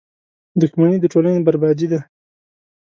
• دښمني د ټولنې بربادي ده.